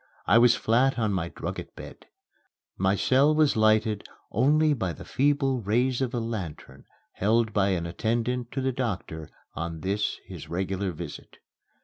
I was flat on my drugget bed. My cell was lighted only by the feeble rays of a lantern held by an attendant to the doctor on this his regular visit.